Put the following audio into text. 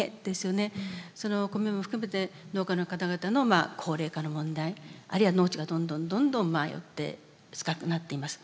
そのコメも含めて農家の方々のまあ高齢化の問題あるいは農地がどんどんどんどん少なくなっています。